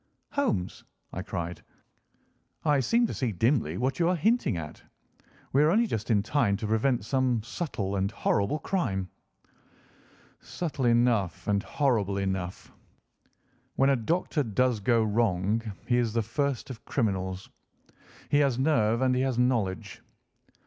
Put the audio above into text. "Holmes," I cried, "I seem to see dimly what you are hinting at. We are only just in time to prevent some subtle and horrible crime." "Subtle enough and horrible enough. When a doctor does go wrong he is the first of criminals. He has nerve and he has knowledge.